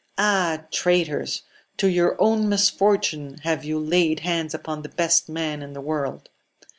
201 Ah, traitors ! to your own mMortune have you laid hands upon the best man in the world